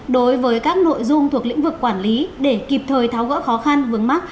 đối với các nội dung thuộc lĩnh vực quản lý để kịp thời tháo gỡ khó khăn vướng mắt